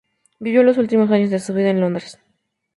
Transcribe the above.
Vivió los últimos años de su vida en Londres.